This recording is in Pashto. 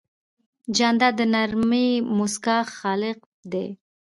جانداد د نرمې موسکا خالق دی.